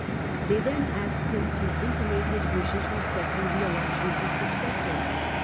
They then asked him to intimate his wishes respecting the election of his successor.